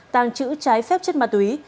tang chữ trái phép chất ma túy